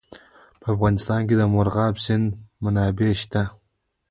په افغانستان کې د مورغاب سیند منابع شته.